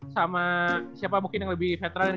sama siapa mungkin yang lebih veteran